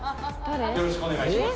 よろしくお願いします。